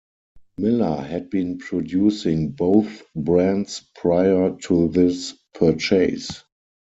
Miller had been producing both brands prior to this purchase.